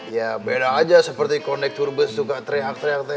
ya beda aja seperti konektor bus juga teriak teriak